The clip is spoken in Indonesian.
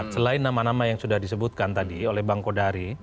selain nama nama yang sudah disebutkan tadi oleh bang kodari